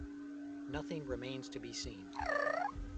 Nothing remains to be seen.